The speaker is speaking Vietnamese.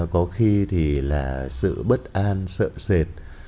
có khi thì là sự bất an sợ sệt